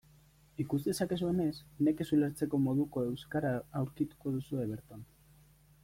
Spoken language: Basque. Ikus dezakezuenez, nekez ulertzeko moduko euskara aurkituko duzue berton.